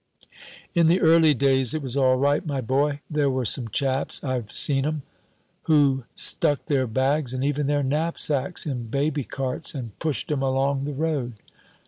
"In the early days it was all right, my boy. There were some chaps I've seen 'em who stuck their bags and even their knapsacks in baby carts and pushed 'em along the road."